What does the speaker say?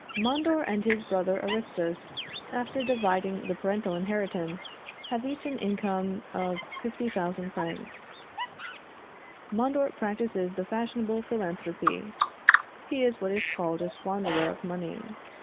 Mondor and his brother Aristus, after dividing the parental inheritance, have each an income of 50,000 francs. Mondor practises the fashionable philanthropy. He is what is called a squanderer of money.